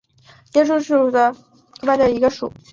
斑眼蝶属是蛱蝶科眼蝶亚科帻眼蝶族中的一个属。